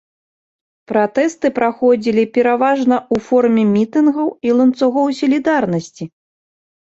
Пратэсты праходзілі пераважна ў форме мітынгаў і ланцугоў сілідарнасці.